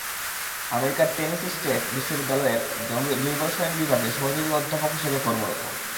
আমেরিকার Tennessee state বিশ্ববিদ্যালয়ের জৈব রসায়ন বিভাগে সহযোগী অধ্যাপক হিসেবে কর্মরত।